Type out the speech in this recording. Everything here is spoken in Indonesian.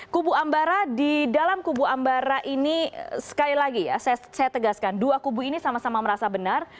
kubu ambara di dalam kubu ambara ini sekali lagi ya saya tegaskan dua kubu ini sama sama merasa benar